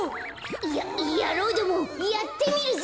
ややろうどもやってみるぜ！